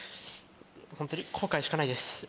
ホントに後悔しかないです。